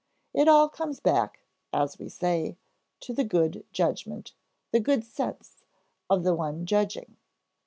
It all comes back, as we say, to the good judgment, the good sense, of the one judging.